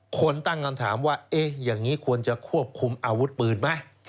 คนตั้งคำถามว่าเอ๊ะอย่างนี้ควรจะควบคุมอาวุธปืนไหม